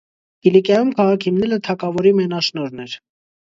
Կիլիկիայում քաղաք հիմնելը թագավորի մենաշնորհն էր։